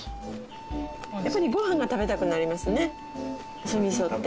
やっぱりご飯が食べたくなりますね酢みそって。